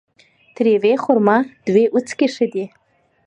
تر يوې خرما ، دوې وڅکي ښه دي